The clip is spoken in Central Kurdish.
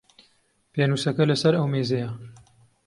پێنووسەکە لە سەر ئەو مێزەیە.